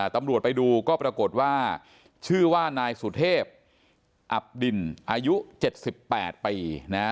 ตำรวจไปดูก็ปรากฏว่าชื่อว่านายสุเทพอับดินอายุ๗๘ปี